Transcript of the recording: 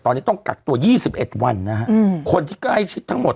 ตอนนี้ต้องกักตัว๒๑วันนะฮะคนที่ใกล้ชิดทั้งหมด